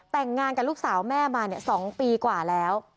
แต่งงานกับลูกสาวแม่มา๒ปีกว่าแล้ว